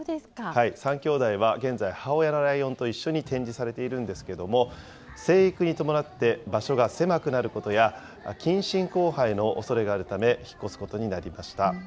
３きょうだいは現在、母親のライオンと一緒に展示されているんですけれども、生育に伴って場所が狭くなることや、近親交配のおそれがあるため、引っ越すことになりました。